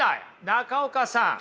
中岡さん